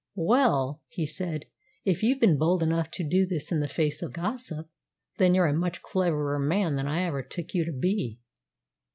"Well," he said, "if you've been bold enough to do this in face of the gossip, then you're a much cleverer man than ever I took you to be."